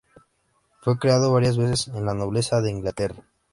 Fue creado varias veces en la nobleza de Inglaterra.